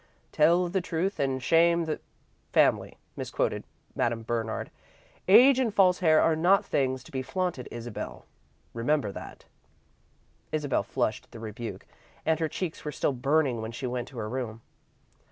"'Tell the truth and shame the family,'" misquoted Madame Bernard. "Age and false hair are not things to be flaunted, Isabel, remember that." Isabel flushed at the rebuke, and her cheeks were still burning when she went to her room.